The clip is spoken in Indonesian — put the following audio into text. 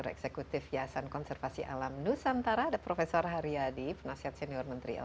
nanti berlomba lomba untuk menyajikan yang terbaik ya